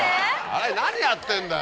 新井何やってんだよ。